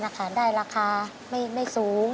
ขายได้ราคาไม่สูง